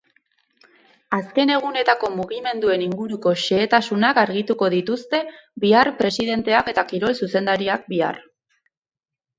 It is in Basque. Azken egunetako mugimenduen inguruko xehetasunak argituko dituzte bihar presidenteak eta kirol zuzendariak bihar.